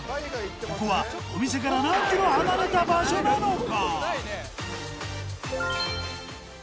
ここはお店から何ｋｍ離れた場所なのか？